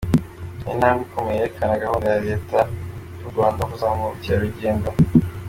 Ni intambwe ikomeye yerekana gahunda ya Leta y’u Rwanda yo kuzamura ubukerarugendo.